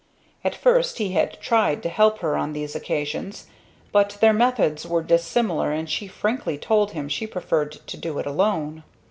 At first he had tried to help her on these occasions, but their methods were dissimilar and she frankly told him she preferred to do it alone.